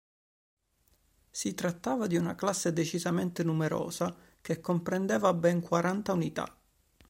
Si trattava di una classe decisamente numerosa, che comprendeva ben quaranta unità.